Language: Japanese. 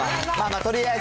とりあえず。